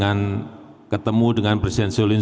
saya bertemu dengan presiden putin selama dua lima tahun